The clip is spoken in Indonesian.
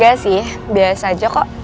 gak sih biasa aja kok